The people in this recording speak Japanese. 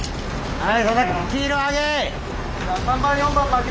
はい！